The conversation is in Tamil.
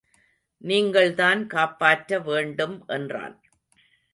நீங்கள்தான் காப்பாற்ற வேண்டும் என்றான்.